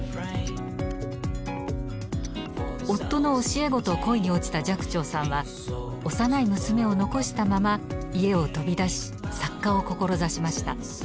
夫の教え子と恋に落ちた寂聴さんは幼い娘を残したまま家を飛び出し作家を志しました。